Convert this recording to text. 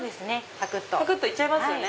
パクっと行っちゃいますよね